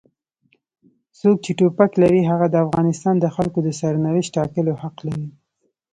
څوک چې ټوپک لري هغه د افغانستان د خلکو د سرنوشت ټاکلو حق لري.